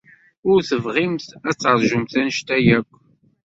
Ur tebɣimt ad teṛjumt anect-a akk.